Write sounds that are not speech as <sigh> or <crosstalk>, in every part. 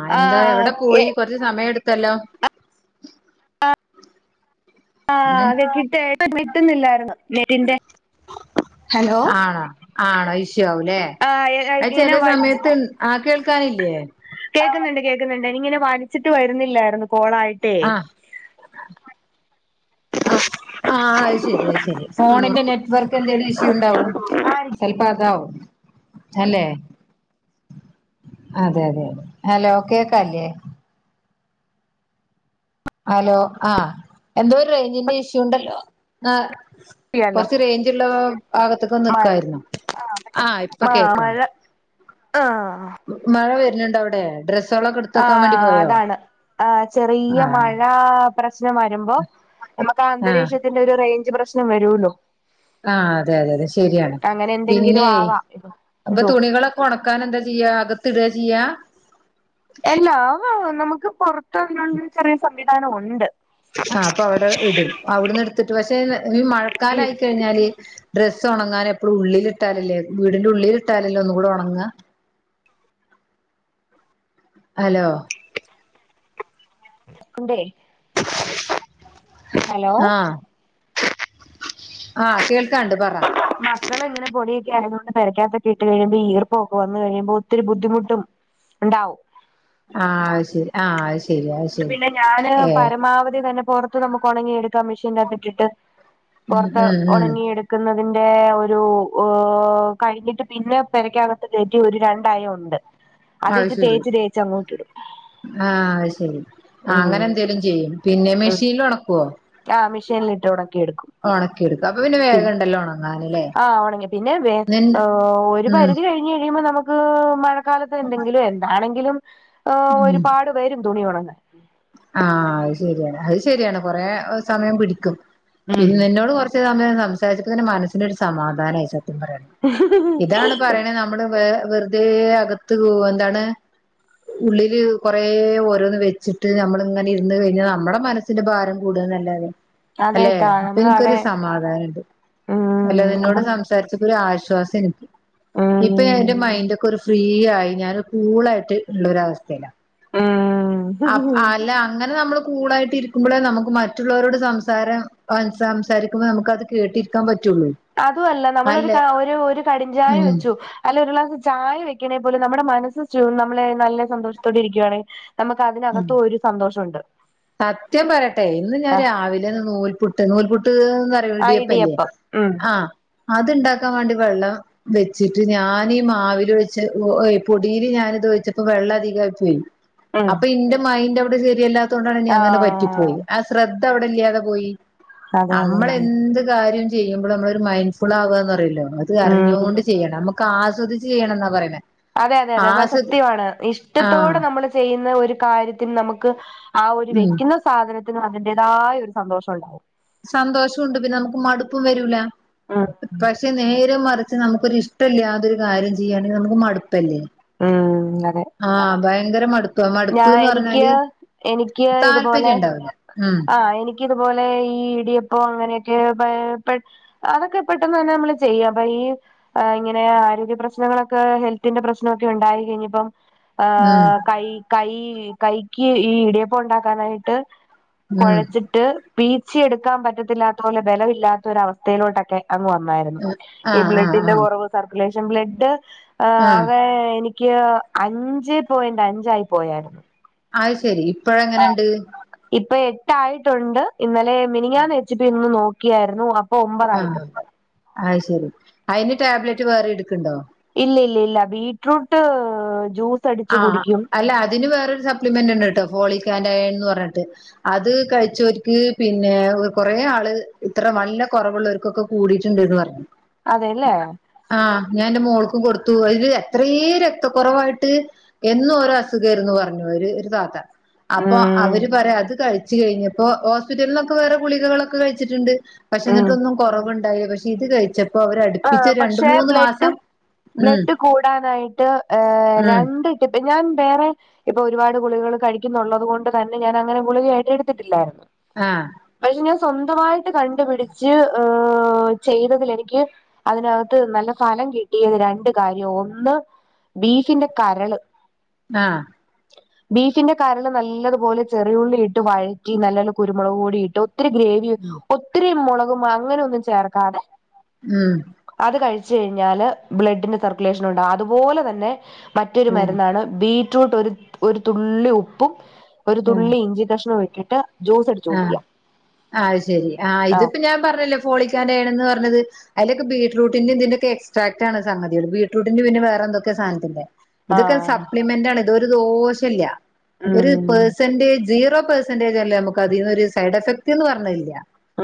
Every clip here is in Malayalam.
ആ എന്താ ആഹ് എവിടെ എ പോയി കുറച്ച് സമയം എടുത്തല്ലോ ആഹ് നെറ്റ് <unintelligible> കിട്ടുന്നില്ലായിരുന്നു നെറ്റിന്റെ ആണോ ആണോ ഇഷ്യു ആവുല്ലെ ആഹ് അത് ഇങ്ങനെ ചെല സമയത്ത് ആ കേൾക്കാനില്ലെ കേക്ക്ന്നുണ്ട് കേക്ക്ന്നുണ്ട് എനിങ്ങനെ വലിച്ചിട്ട് വരുന്നില്ലായിരുന്നു കോളായി അഹ് അഹ് ആഹ് അത് ശരി അത് ശരി ആഹ് ഫോണിന്റെ നെറ്റ് വർക്ക് നെറ്റ് വർക്കിന്റെ എന്തേലും ഇഷ്യു ഉണ്ടാവും ചിലപോ അതാവും അല്ലെ അതെ അതെ ഹലോ കേക്കാല്ലേ ഹലോ ആഹ് എന്തോ ഇപ്പൊ റേഞ്ചിന്റെ ഇഷ്യൂ ഉണ്ടല്ലോ ആഹ് കിട്ടിയല്ലോ കൊറച്ച് റേഞ്ച്ള്ള ഭാഗത്തേക്കൊന്ന മഴ നിക്കായിരുന്നോ ആഹ് ഇപ്പൊ കേക്കാണ്ട് ആഹ് മഴ വരുന്നുണ്ടോ അവിടെ ഡ്രസ് ആ അതാണ് ആ ചെറിയ ആ മഴ പ്രശ്നം വരുമ്പോ നമുക്ക് ആ ആഹ് അന്തരീക്ഷത്തിന്റെ ഒരു റേഞ്ച് പ്രശ്നം വരോല്ലോ ആഹ് അതെ അതെ അതെ ശരിയാണ് അങ്ങനെ എന്തെങ്കിലും പിന്നെ ആവാം അപ്പൊ എന്തോ തുണികളൊ ഉണക്കാൻ എന്താ ചെയ്യാ അകത്തിട ചെയ്യാ എല്ലാ നമുക്ക് പുറത്ത് ഇടാനുള്ള ചെറിയ സംവിധാനം ഉണ്ട് ആ അപ്പൊ അവിടെ ഇടും അവിടുന്ന് എടുത്തിട്ട് പക്ഷെ ഈ മഴക്കാലായി കഴിഞ്ഞാല് ഡ്രസ്സ് ഉണങ്ങാൻ എപ്പഴും ഉള്ളിലിട്ടാലല്ലേ വീടിന്റെ ഉള്ളിലിട്ടാലല്ലെ ഒന്നുകൂടി ഉണങ്ങാ ഹലോ കേക്ക്ണ്ടേ ഹലോ ആഹ് ആഹ് കേൾക്കാണ്ട് പറ മസള ഇങ്ങനെ പൊടിയൊക്ക ആയതുകൊണ്ട് പരക്കാത്തൊക്കെട്ട് കഴിയുമ്പോ ഈർപ്പൊ ഒആക്ക വന്ന് കഴിയുമ്പോ ഒത്തിരി ബുദ്ധിമുട്ടും. ണ്ടാവും ആഹ് ശരി ആഹ് ശരി അത് ന്നിട്ട് ശരി പിന്നെ ഞാന് ഏഹ് പരമാവധി തന്നെ പൊറത്ത് നമുക്ക് ഉണങ്ങിയ എടുക്കാം മെഷീൻ അകത്തിട്ടിട്ട് ഉം പുറത്ത് ഉം ഉം ഉണങ്ങിയെടുത്ത് ക്കുന്നതിന്റെ ഒരു കഴിഞ്ഞിട്ട് പിന്നെ പെരക്കകത്ത് കേറ്റി ഒരു രണ്ടയ ഉണ്ട്. അത് അത്ട്ട് ശരി തേച്ച് തേച്ചു അങ്ങോട്ടിടും ആഹ് അത് ശരി ഉം അങ്ങനെ എന്തേലും ചെയ്യും പിന്നെ മെഷീനിൽ ഉണക്കുവോ ആഹ് മെഷീലിട്ട് ഒണക്കി എടുക്കും ഒണക്കി എടുക്കും അപ്പൊ പിന്നെ വേഗം ഉണ്ടല്ലോ ഉണങ്ങാനല്ലേ ആ ഉണങ്ങി പിന്നെ നിന്റെ ഒരു ഉം പരിധി കഴിഞ് ഴിപോ നമക്ക് മഴക്കാലത്ത് എന്തെങ്കിലും എന്താണെങ്കിലും ഉം ഒരുപാട് വരും തുണി ഉണങ്ങാൻ ആഹ് അത് ശരിയാണ് അത് ശരിയാണ് കൊറെ സമയം പിടിക്കും ഉം പിന്നെ നോട് കുറച്ച് സമയം സംസാരിച്ചപ്പ തന്നെ മനസ്സിനൊരു സമാധാനമായി സത്യം പറയാലോ ഇതാണ് പറയണ നമ്മുടെ വേ വെർ അതേ അകത്ത് എന്താണ് ഉള്ളില് കൊറേ ഓരോന്ന് വെച്ചിട്ട്. ട് നമ്മള് ഇങ്ങനെ ഇരുന്ന് കഴിഞ്ഞാൽ നമ്മുടെ മനസ്സിന്റെ ഭാരം കൂട്ന്നല്ലാതെ അതെ അല്ലെ ട്ടാ അപ്പൊ നമ്മള് നിക്കൊരു അതെ സമാധാനംണ്ട് അല്ലെ ഉം നിന്നോട് നമ്മള് സം ച്ചിട്ടൊരു ആശ്വാസാന്ന് ഇപ്പൊ ഉം ഒരു മൈൻഡ് ക്കൊരു ഫ്രീ ആയി ഞാൻ കൂളായിട്ട് ഉള്ളൊരു അവസ്ഥയിലാ ഉം അപ് അല്ല അങ്ങനെ നമ്മള് കൂളായിട്ട് ഇരിക്കുമ്പോഴേ നമുക്ക് മറ്റുള്ളവരോട് സംസാരം ആഹ് സംസാരിക്കുമ്പോ നമുക്ക് അത് കേട്ടിരിക്കാൻ പറ്റുള്ളൂ. അതും അല്ല നമ്മളൊരു അല്ലേ ഒരു ഒരു കടിഞ്ചായ വെച്ചു ഉം അല്ല ഒരു ഗ്ലാസ് ചായ വെക്കണേ പോലും നമ്മുടെ മനസ്സ് നമ്മളെ നല്ല സന്തോഷത്തോടെ ഇരിക്കാണേ നമുക്ക് അതിനകത്തും ഒരു സന്തോഷം ഉണ്ട് സത്യം പറയട്ടെ ഇന്ന് ഞാൻ രാവിലെന്ന് നൂൽപുട്ട് നൂൽപുട്ട് ന്ന് ആഹ് ടിയപ്പല്ലേ ഇടിയപ്പം ഉം ആ അത് ഇണ്ടാക്കാൻ വേണ്ടി വെള്ളം വെച്ചിട്ട് ഞനീ മാവിൽ വെച്ച പൊടിയിൽ ഞാൻ ഇതച്ചപ്പോ വെള്ളം അധികായി പോയി ഉം അപ്പൊ ഇന്റെ മൈൻഡ് അവിടെ ശരിയല്ലാത്ത കൊണ്ടാണ് ഇനി അങ്ങനെ ആഹ് പറ്റിപ്പോയി ശ്രദ്ധ അവിടെ ഇല്ലാതെ പോയി അതെ അതെ അതെ നമ്മളെന്ത് കാര്യം ചെയ്യുമ്പോൾ നമ്മള ഒരു മൈൻഡ് ഫുൾ ആവുവാന്ന് പറയില്ലേ അത് ഉം അറിഞ്ഞോണ്ട് ചെയ്യണം നമുക്ക് ആസ്വദി ചെയ്യണെന്നാ പറയിണേ അതെ അതെ അതെ അതെ ആ സത്യമാണ് ആഹ് ഇഷ്ടത്തോടെ നമ്മള് ചെയ്യുന്ന ഒരു കാര്യത്തിനു നമുക്ക് ആ ഒരു ഉം വക്കുന്ന സാധനത്തിന് അതിന്റേതായ ഒരു സന്തോഷണ്ട്. സന്തോഷോണ്ട്. പിന്നെ നമുക്ക് മടുപ്പും വരൂല. ഉം ക്ഷെ നേര മറിച്ച് നമുക്കൊരിഷ്ടല്ലതൊരു കാര്യം ചെയ്യുകയാണെങ്കിൽ നമുക്ക് മടുപ്പല്ലേ.? ഉം അതെ. ആഹ് ഭയങ്കര മടുപ ഞാ എനിക്ക് എനിക്ക് ഇതുപോലെ താല്പര്യം ഉണ്ടാവില്ല ഉം ആ എനി ക്കിതു പോലെ ഈ ഇടിയപ്പോ ങ്ങനെയൊക്കെ പെ - അതൊക്കെ പെട്ടെന്ന് തന്നെ നമ്മള് ചെയ്യാം അപ്പൊ ഈ- ഏ ഇങ്ങനെ ആരോഗ്യ പ്രശ്നങ്ങളൊക്കെ ഹെൽത്തിന്റെ പ്രശ്നമൊക്കെ ഉണ്ടായി കഴിഞ്ഞപ്പം. ആ ഉം കൈ കൈ കൈക്ക് ഈ ഇടിയപ്പ ണ്ടാക്കാനായിട്ട് ഉം കുഴച്ചിട്ട് പീച്ചിയേടുക്കാൻ പറ്റത്തില്ലാത്ത പോലെ ബല ഇല്ലാത്തൊര വസ്ഥയിലോട്ടൊക്കെ- അങ്ങ് വന്നായിരുന്നു ഈ ആഹ് ആഹ് ബ്ലഡിന്റെ ആഹ് കുറവ് സർക്കുലേഷൻ ബ്ലഡ് ആഹ് അവെ എനിക്ക് അഞ്ച് പോയിന്റ് അഞ്ചായി പോയായിരുന്നു അത് ശെരി ഇപ്പഴങ്ങനുണ്ട്? ഇപ്പോ എട്ടായിട്ടുണ്ട്. ഇന്നലെ മിനിഞ്ഞാന്ന് എച്ച് ബി ഇന്ന് നോക്കിയായിരുന്നു അപ് ആഹ് അത് ശരി അയിന് ടാബ്ലറ്റ് വേറിടുക്കണുണ്ടോ? ഇല്ല ഇല്ലി ല്ല ല്ല ബീറ്റ്റൂട്ട് ജ്യൂസ് അടിച്ചു ആഹ് കുടിക്കും അല്ല അതിന് വേറൊരു സപ്ലിമെന്റ് ഉണ്ട് ട്ടോ, ഫോളിക്കാന്റെ അയൺ എന്ന് പറഞ്ഞിട്ട്. അത് കഴിചോര്ക്ക് പിന്നെ കൊറേ ആള് ഇത്ര നല്ല കുറവുള്ളർക്കൊക്കെ കൂടിയിട്ടുണ്ടന്ന് പറഞ്ഞു. അതെല്ലേ. ആഹ് ഞാൻ ന്റെ മോൾക്കും കൊടുത്തു അതില് എത്രേം രക്തകുറവായിട്ട്. എന്നും ഒരു അസുഖർന്ന്റഞ്ഞു. ഒരു താത്ത അപ്പൊ ഉം അവര് പറയാ അത് കഴി- ച് കഴിഞപ്പോ ഹോസ്പിറ്റലിനൊക്കെ വേറെ ഗുളികളൊക്കെ കഴിച്ചിട്ടുണ്ട് പക്ഷ ഉം എന്നിട്ടൊന്നും കുറവുണ്ടായില പക്ഷെ ഇത് കഴിച്ചപ്പോ ആ അവരടുപ്പിച്ച രണ്ട പക്ഷെ മൂന്ന് മാസം ബ്ലഡ് ഉം ബ്ലഡ് കൂടാനായിട്ട് ഏ ഉം രണ്ട് ടിപ്പ് ഞാൻ വേറെ ഇപ്പോ ഒരുപാട് ഗുളികള് കഴിക്കുന്നൊള്ളത് കൊണ്ട് തന്നെ ഞാൻ അങ്ങനെ ഗുളികായിട്ട് എടു ത്തിട്ടില്ലായിരുന്നു. ആഹ്. പക്ഷേ ഞാൻ സ്വന്തമായിട്ട് കണ്ടുപിടിച്ച് ഏ ചെയ്തതിൽ എനിക്ക് അതിനകത്ത് നല്ല ഫലം കിട്ടിയത് രണ്ട് കാര്യമാ ഒന്ന് ബീഫിന്റെ കരള്. ആഹ്. ബീഫിന്റെ കരള് നല്ലതുപോലെ ചെറിയുള്ളി ഇട്ട് വഴറ്റി നല്ല പോലെ കുരുമുളക് കൂടി ഇട്ടു ഒത്തിരി ഗ്രേവിയോ ഉം ഒത്തിരി മുളകും അങ്ങനെ ഒന്നും ചേർക്കാതെ ഉം അത് കഴിച്ചു കഴിഞ്ഞാല് ബ്ലഡിന് സർക്കുലേഷൻ ഉണ്ടാകും. അതുപോലെ തന്നെ മറ്റൊരു ഉം ഉം മരുന്നാണ് ബീറ്റ്റൂട്ട് ഒരു ഒരു തുള്ളി ഉപ്പും ഒരു ഉം തുള്ളി ഇഞ്ചി കഷ്ണവും ഇട്ടിട്ട് ജ്യൂസ് അടിച്ചു ആഹ് കുടിക്കുക അഉ ശെരി ആഹ് ഇതിപ്പോ ഞാൻ പറഞ്ഞില്ലേ ഫോളിക്കാന്റ യേൺന്ന് പറഞ്ഞത് അതിലൊക്കെ ബീറ്റ്റൂട്ടിന്റെ ന്തിന്റെയൊക്കെയോ എക്സ്ട്രാക്ട് ആണ് സംഗതികള് ബീറ്റ്റൂട്ടിന്റെ പിന്നെ വറെന്തെ ക്കെയോ സാധനത്തിന്റെ ഇതൊക്കെഒരു ആഹ് സപ്ലിമെന്റ് ആണ് ഇത് ഒരു ദോഷ ഇല്ല ഒരു ഉം പെർസെന്റേ സീറോ പെഴ്സ പെർസെന്റജല്ലേ നമ്മക്ക് അതിന്ന് ഒരു സൈഡ് എഫക്ട്ന്ന് പറഞ്ഞതില്ല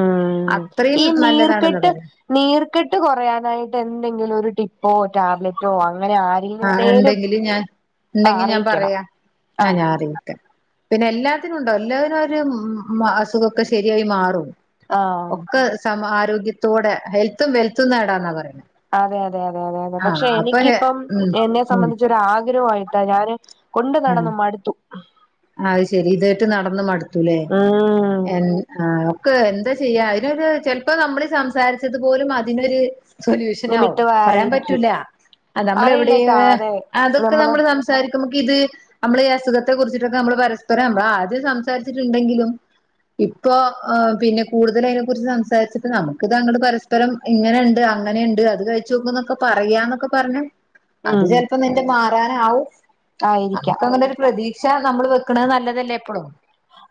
ഉം അത്രീം ഈ നല്ലതാണെന്ന നീർക്കെട്ട് പറി നീർക്കെട്ട് കുറയാനായിട്ട് എന്തെങ്കിലും ഒരു ടിപ്പോ ടാബ്ല റ്റോ അങ്ങനെ ആഹ് ആരുണ്ടേലും ഉണ്ടെങ്കില് ഞാൻ ആഹ് ഉണ്ടെങ്കി ഞാൻ അറിയിക്കണം പറയാ. ഞാൻ ആഹ് അറിയുന്നൊക്കെ പിന്നെ ല്ലാത്തിനും ണ്ടാവും എല്ലാതിനും ഒരു അസുഖക്കെ ശരിയായി മാറും ആഹ് ഒക്കെ സമാ ആരോഗ്യത്തോടെ ഹെൽത്തും വെൽത്തും നേടാന്നാ പറയുന്നേ അതെ അതെ അതെ അതെ അതെ പക്ഷെ എനിക്കിപ്പം ഉം എന്നെ ഉം. സംബന്ധിച്ച് എന്റെ ഒരു ആഗ്രഹയിട്ടാ ഞാന് കൊണ്ടു നടന്ന് മടുത്തു അഉ ശെരി തായിട്ട് നടന്ന് മടുത്തൂല്ലേ ഉം എ ആഹ് ഒക്ക് എന്താ ചെയ്യാ അയിനൊരു ചെൽപ്പോ നമ്മള് സംസാരിച്ചത് പോലും അതിനൊര് സൊല്യൂഷൻ ആവും പറയാൻ നിമിത്തമായിരിക്കും പറ്റൂല്ല അതാ നമ്മള് എവിടെ അറിയില്ലട്ടാ അതെ അതൊക്കെ നമ്മള് സം സംസാരിക്കുമ്പോ ഇത് നമ്മള് ഈ അസുഖത്തെ കുറ്ച്ച്ട്ടൊക്കെ നമ്മള് പരസ്പരം നമ്മള് ആദ്യം സംസാരിച്ചിട്ട്ണ്ടെങ്കിലും ഇപ്പോ ഹ് പിന്നെ കൂടുതല് അയിനെ കുർച്ച് സംസാരിച്ചിപ്പോ നമുക്ക് താങ്ങടെ പരസ് പരം ഇങ്ങനൊണ്ട് അങ്ങനെയുണ്ട് അത് കഴിച്ച് നോക്കുന്നൊക്കെ പറയാ ന്നൊക്കെ പറഞ്ഞ് അത് ഉം ചെൽപ്പോ നിന്റെ മാറാനാവും ആയിരിക്കാം നമുക്ക് അങ്ങനൊരു പ്രതീ ക്ഷ നമ്മള് വെക്ക്ണേ നല്ലതല്ലേ എപ്പളും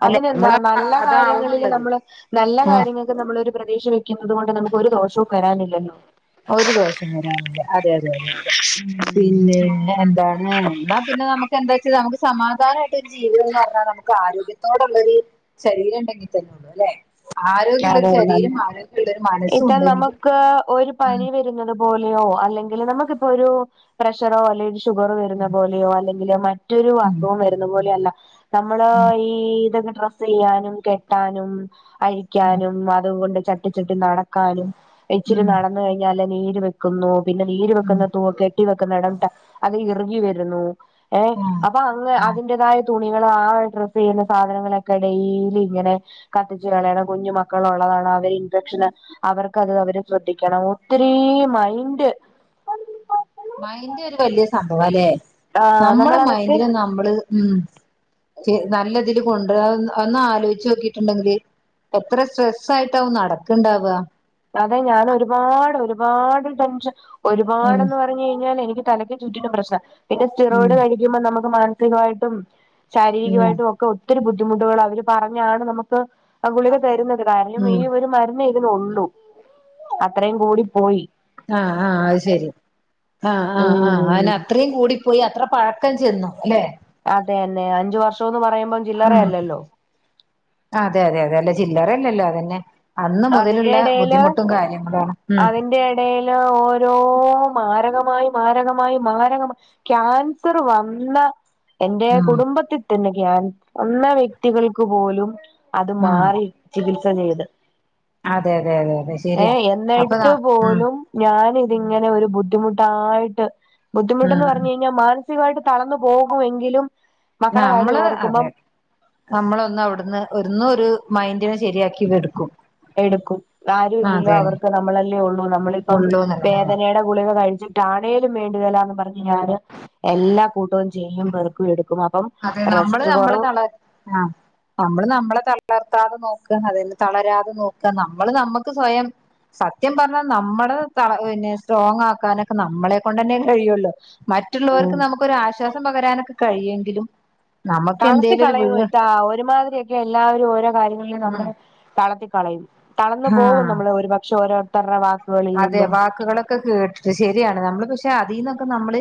അല്ലെ അതിനെന്താ നമ്മള നല്ല കാര്യങ്ങളില് അതാവുന്നുള്ളത് നമ്മള് നല്ല ആഹ് കാര്യങ്ങൾ നമ്മള് ഒരു പ്രതീക്ഷ വെക്കുന്നത് കൊണ്ട് നമുക്ക് ഒരു ദോഷവും വരാനില്ലല്ലോ. ഒരു ദോഷം വരാനില്ല അതെ അതെ അതെ അതെ. പിന്നെ എന്താണ് ന്നാ? പിന്നെ നമുക്കെന്താ ച്ചാ നമുക്ക് സമാധാനായിട്ട് ഒരു ജീവിതം ന്ന് പർഞ്ഞാൽ നമുക്ക് ആരോഗ്യം ത്തോടെണ്ടെങ്കി ശരീരം ണ്ടെങ്കി തന്നെ ഉള്ളു ല്ലെ? ആരോഗ്യള്ള ഒരു അതെ ശരീരം ആരോഗ്യള്ള ഒരു മനസ്സും ണ്ടെങ്കില് ക്ക ഒരു പനി വരുന്നത് പോലെയോ അല്ലെങ്കില് നമുക്കിപ്പോ ഒരു പ്രഷറോ അല്ലെങ്കി ഷുഗറോ വരുന്ന ഉം പോലെയോ അല്ലെങ്കില് മറ്റൊരു അസുഖം വരുന്ന പോലെയോ അല്ല നമ്മള് ഉം ഈ ഇതൊക്കെ ഡ്രസ്സ് യ്യാനും കെട്ടാനും അഴി ക്കാനും അതുകൊണ്ട് ചട്ടിച്ചട്ടി നടക്കാനും ഉം ഇച്ചിരി ഉം നടന്ന് കഴിഞ്ഞാല് നീര് വെ ക്കുന്നു പിന്നെ നീര് ഉം വെക്ക്ന്നതും കെട്ടി വെക്ക്ന്ന ടംട്ട അത്റ്കി വരുന്നു. ഏഹ് ഉം ആഹ് അപ്പ അങ്ങ് ആഹ് അതിന്റേതായ തു നിങ്ങള് ആ ഡ്രസെയ്യുന്ന സാധനങ്ങളൊക്കെ ഡെയിലി ഇങ്ങനെ കത്തിച്കളയണം. കുഞ്ഞ് മക്കളുള്ളതാണ് അവര് ഇൻഫെക്ഷന് അവർക്കത് അവരെ ശ്രദ്ധിക്കണം ഒത്തിരീ മൈൻഡ് മൈന്റ് ഒരു വല്യ സംഭവാലേ ആഹ് നമ്മളെ നമ്മളതൊക്കെ മൈന്റിനെ നമ്മള് ഉം ച്ച് നല്ലതില് കൊണ്ടരാൻ ഒന്ന് ആലോയിച്ചോ ക്കിട്ടുണ്ടെങ്കില് എത്ര സ്ട്രെസ്സ് ആയിട്ടാവ നടക്ക്ണ്ടാവ. അതെ ഞാൻ ഒരുപാട് ഒരുപാട് ടെൻഷൻ ഉം ഒരുപാട്ന്ന് പ ഞ്ഞ് കഴിഞ്ഞാൽ എനിക്ക് തലക്ക് ചുറ്റിലും പ്രശ്ന. പിന്നെ ഉം സ്റ്റിറോയിഡ് കഴിക്കുമ്പോ നമുക്ക് മാനസികമായിട്ടും ഉം ശാരീരികമായിട്ടും ഒക്കെ ഒത്തിരി ബുദ്ധിമുട്ടുകളാ അവര് പറഞ്ഞാണ് നമുക്ക് ആ ഗുളിക തരുന്നത് കാരണം ഈ ഉം ഒരു മരന്ന്എയ്ത് ണോള്ളൂ അത്രയും കൂടി പോയി. ആഹ് ആഹ് അഹ് ശരി ആഹ് ആഹ് ആഹ് അഹ് ന്നേ ഉം അത്രേം കൂടി പോയി അത്ര പഴക്കം ചെന്നു ല്ലെ? അതെന്നെ അഞ്ചു വർഷംന്ന് പറയുമ്പോ ഉം അതെ അതെ അതെ അല്ല ചില്ലറല്ലല്ലോ അതന്നെ. അന്ന് അതിന്റെ മുതലുള്ള ബുദ്ധിമുട്ടും കാര്യങ്ങളാണ് ഉം. ടയില് ഓരോ മാരകമായി മാരകമായി മാരകമ ക്യാൻസർ വന്ന എന്റെ ഉം കുടുംബത്തിൽ തന്നെ ക്യാൻ വന്ന വ്യക്തികൾക്ക് പോലും അത് ഉം മാറി. ചികിത്സ ചെയ്ത് അതെ അതെ അതെ അതെ ശരിയാ ഏഹ് അപ്പൊ ന എന്നിട്ട് ഉം പോലും ഞാൻ ഇതിങ്ങനെ ഒരു ബുദ്ധിമുട്ടായിട്ട് ബുദ്ധിമുട്ടന്ന് ഉം പർഞ്ഞ് കഴിഞ്ഞാ മാനസികമായിട്ട് തളന്നു പോകുമെങ്കിലും മക്കളെ കാര്യം നമ്മള് ഓർക്കുമ്പം അതെ നമ്മളൊന്ന് അഒട്ന്ന് ഒന്ന്നൊരു മൈൻറിനെ ശരിയാക്കി ങ്ങ്ടുക്കും. എടുക്കും ആരും ഇല്ലല്ലോ അവർക്ക് നമ്മളല്ലേ ഉള്ളൂ നമ്മളിപ്പം ഉള്ളൂന്നല്ല വേദനയുടെ ഗുളികകഴിച്ചിട്ടാണേലും വേണ്ടില്ല ന്ന് പറഞ്ഞ് ഞാന് എല്ലാ കൂട്ടോം ചെയ്യും വെറുക്കും എടുക്കും അപ്പം അതെ നമ്മള് റെസ്റ്റ് നമ്മള് കുറവ് തള ആഹ് നമ്മള് നമ്മളെ തളർത്താതെ നോക്ക അതിന് തളരാതെ നോക്ക നമ്മള് നമ്മക്ക് സ്വയം സത്യം പർഞ്ഞ നമ്മള് ത പിന്നെ സ്ട്രോങ് ആക്കാനൊക്കെ നമ്മളെ കൊണ്ട്ന്നെ കഴിയൊള്ളു. മറ്റ് ഉം ള്ളോർക്ക് നമുക്കൊരു ആശ്വാസം പകരാനൊക്കെ കഴിയുങ്കിലും തളർത്തി കളയും ഇത്താ ഒരുമാതിരിയൊക്കെ എല്ലാവരും ഓരോ കാര്യങ്ങളിലും ഉം നമ്മുടെ തളത്തി കളയും തളർന്നു ആ പോകും നമ്മള് ഒരുപക്ഷെ ഓരോരുത്തരുടെ വാക് അതെ വാക്കുകളൊക്കെ കേട്ടിട്ട് ശരിയാണ് നമ്മള് പക്ഷെ അതിന്നൊക്കെ നമ്മള്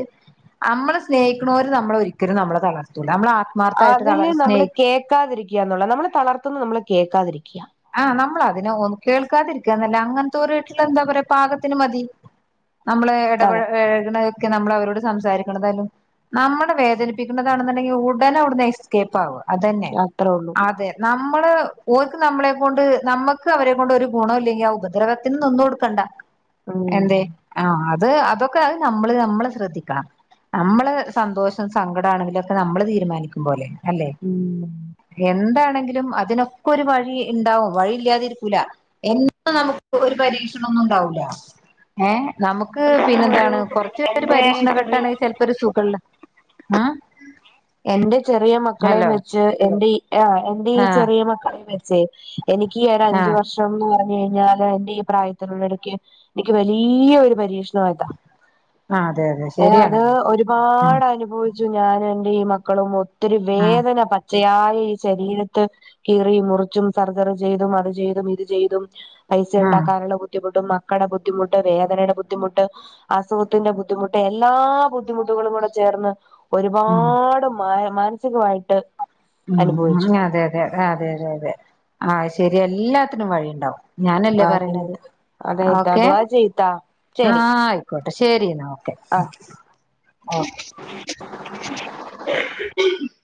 നമ്മളെ സ്നേിക്കുന്നോര് നമ്മളെ ഒരിക്കലും നമ്മളെ തളർത്തുള്ളൂ നമ്മള അതില് നമ്മള് കേക്കാതിരിക്കന്നുള്ള നമ്മളള് തളർത്തുന്നു നമ്മള് കേൾക്കാതിരിക്യ ആഹ് നമ്മള് അതിനെന്നും കേൾക്കാതിരിക്കന്നല്ല അങ്ങനത്തെ ഒരേട്ടുള്ള എന്താ പറയാ പാകത്തിന് മതി. നമ്മള് അതെ ഇടപഴകണതൊക്കെ നമ്മള് അവരോട് സംസാരിക്കണതാലും നമ്മളെ വേദനിപ്പിക്കുന്നതാണെങ്കി ഉടനെ അവ്ട് ന്ന് എസ്കേപ്പ് ആവ അതന്നെ അത്രേ ഉള്ളൂ അതെ നമ്മള് ഓർക്ക് നമ്മളെ കൊണ്ട് നമ്മക്ക് അവരെ കൊണ്ട് ഒരു ഗുണോല്ലെങ്കി ആ ഉപദ്രവത്തിന് നിന്ന് കൊടുക്കണ്ട ഉം എന്തേ? ആഹ് അത് അതൊക്കെ അത് നമ്മള് നമ്മള് ശ്രദ്ധിക്കാണം. നമ്മള് സന്തോഷം സങ്കടമാണെങ്കിലൊക്കെ നമ്മള് തീരുമാനിക്കും പോലെ അല്ലെ? ഉം എന്താണെങ്കിലും അതിനൊക്കെ ഒരു വഴി ഇണ്ടാവും വഴി ഇല്ലാതിരിക്കൂല എന്ന് നമുക്ക് ഒരു പരീക്ഷണൊന്നും ഉണ്ടാവൂല ഏഹ് നമുക്ക് ഇപ്പം ഒരു പിന്നെന്താണ് കുറച്ചൊരു എന്റെ ചെറിയ പരീക്ഷണഘട്ടണെച്ചാല് ഒരു സുഖമില്ല എൻന്റെ ചെറിയ മക്കളെയും വെച്ച് എൻന്റെറെ ആ എൻന്റെ ഈ ആഹ് ചെറിയ മക്കളെയ വെചേ എനിക്ക് ഈ ഒ അഞ്ച് ആഹ് വർഷം ന്ന് പറഞ്ഞ കഴിഞ്ഞാല് എന്റെ ഈ പ്രായത്തിനുള്ള ഇടയ്ക്ക് എനിക്ക് വലിയ ഒരു പരീക്ഷണ ആതാ ആഹ് അതെ അതെ ഏ ശരിയാണ് അത് ആഹ് ഒരുപാട് അനുഭവിച്ച ച്ചു ഞാനും എറെ ഈ മക്കളും ഒത്തിരി ആഹ് വേദന പച്ചയായ ഈ ശരീരത്ത് കീറി മുറിച്ചും സർജറി ചെയ്തും അത് ചെയ്തും ഇത് ചെയ്തും പൈസ ആഹ് ഉണ്ടാക്കാനുള്ള ബുദ്ധമുട്ടും മക്കടെ ബുദ്ധിമുട്ട് വേദനയുടെുദ്ധിമുട്ട്. അസുഖത്തിന്റെ ബുദ്ധിമുട്ട് എല്ലാ ബുദ്ധിമുട്ടുകളും കൂടെ ചേർന്ന് ഒരുപാട് ഉം ഒരുപാട് മാനസികമായിട്ട് ഉ അനുഭവിച്ചു അതെ അതെ അത അതെതെ അതെ ആഹ ശരി എല്ലാത്തിനും വഴിയുണ്ടാവും ഞാനല്ലേ ആ പറയത് സമയത്ത് അതെ ഇത്ത ഓക്കെ ദുആ ചെയ് ഇത്ത ആ ശരി ആയിക്കോട്ടെ ശരി എന്നാ ഓക്കേ ആ <inaudible>